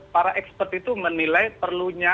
para ekspert itu menilai perlunya